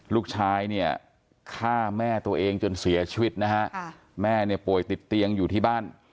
ลูกชายเนี่ยฆ่าแม่ตัวเองจนเสียชีวิตนะฮะแม่เนี่ยป่วยติดเตียงอยู่ที่บ้าน